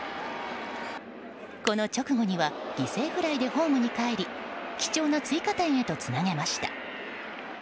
この直後には犠牲フライでホームにかえり貴重な追加点へとつなげました。